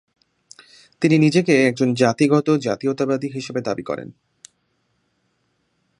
তিনি নিজেকে একজন জাতিগত জাতীয়তাবাদী হিসেবে দাবি করেন।